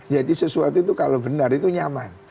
jadi sesuatu itu kalau benar itu nyaman